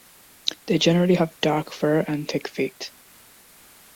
They generally have dark fur and thick feet.